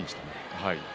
はい。